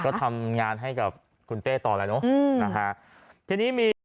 ก็ทำงานให้กับคุณเต้ต่อแล้วเนอะ